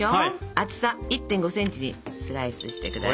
厚さ１．５ｃｍにスライスしてください。